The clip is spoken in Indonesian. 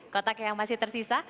kotak yang masih tersisa